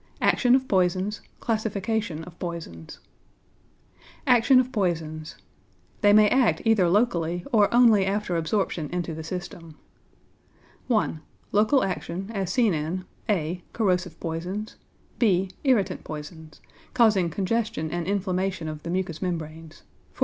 ACTION OF POISONS; CLASSIFICATION OF POISONS =Action of Poisons.= They may act either locally or only after absorption into the system. 1. Local Action, as seen in (a) corrosive poisons; (b) irritant poisons, causing congestion and inflammation of the mucous membranes _e.